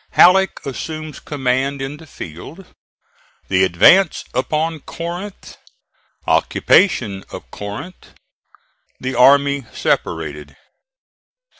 HALLECK ASSUMES COMMAND IN THE FIELD THE ADVANCE UPON CORINTH OCCUPATION OF CORINTH THE ARMY SEPARATED.